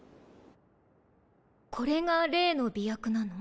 これが例の媚薬なの？